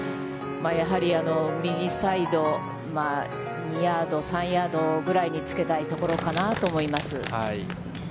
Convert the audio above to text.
やはり、右サイド、２ヤード、３ヤードぐらいにつけたいところかなと思います。